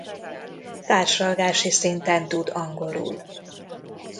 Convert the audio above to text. Társalgási szinten tud angolul.